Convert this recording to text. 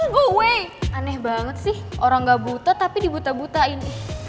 gue weh aneh banget sih orang gak buta tapi dibuta butain